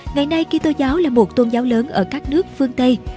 ngày nay kỹ tố giáo là một tôn giáo lớn ở các nước phương tây